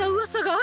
あ。